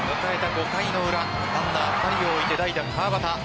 ５回の裏ランナー２人を置いて代打・川端。